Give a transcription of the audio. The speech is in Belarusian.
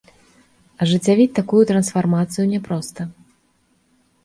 Ажыццявіць такую трансфармацыю няпроста.